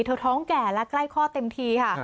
ท้องแก่และใกล้ข้อเต็มทีค่ะ